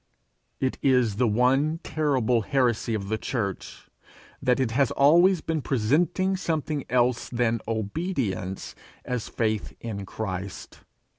It is the one terrible heresy of the church, that it has always been presenting something else than obedience as faith in Christ.